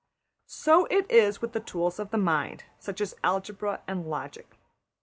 So it is with the tools of the mind, such as algebra and logic.